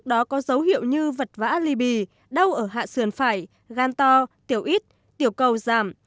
đâu ở hạ sườn phải gan to tiểu ít tiểu cầu giảm